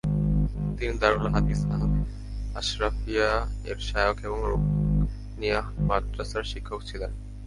তিনি দারুল হাদীস আল আশরাফিয়া-এর শায়খ এবং রুকনিয়াহ মাদ্রাসার শিক্ষক ছিলেন।